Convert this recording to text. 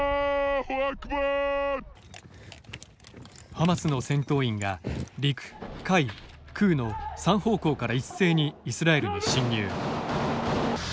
ハマスの戦闘員が陸海空の３方向から一斉にイスラエルに侵入。